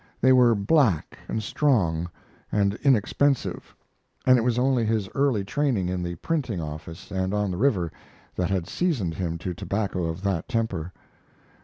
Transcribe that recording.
They were black and strong and inexpensive, and it was only his early training in the printing office and on the river that had seasoned him to tobacco of that temper.